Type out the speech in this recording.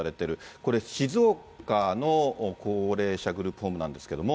これ、静岡の高齢者グループホームなんですけれども。